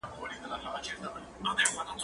سفر وکړه!؟